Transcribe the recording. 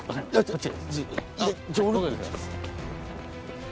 こっち。